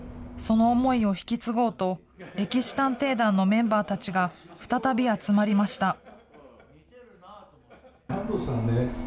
その思いを引き継ごうと、歴史探偵団のメンバーたちが再び集まりました。